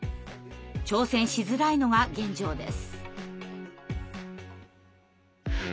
挑戦しづらいのが現状です。